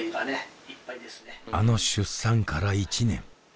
あの出産から１年。